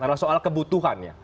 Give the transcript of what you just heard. adalah soal kebutuhannya